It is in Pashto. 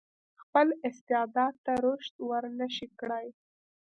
خپل استعداد ته رشد ورنه شي کړای.